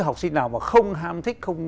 học sinh nào mà không ham thích không